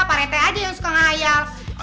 parete aja yang suka ngayal